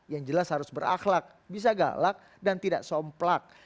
yang jelas harus berakhlak bisa galak dan tidak somplak